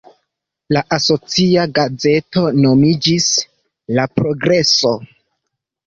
La asocia gazeto nomiĝis "La Progreso".